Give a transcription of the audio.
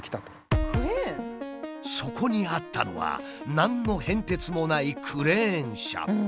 そこにあったのは何の変哲もないクレーン車。